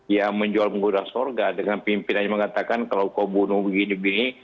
ya menjual murah surga dengan pimpinan yang mengatakan kalau kau bunuh begini begini